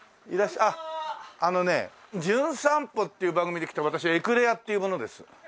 あのね『じゅん散歩』っていう番組で来た私エクレアっていう者です。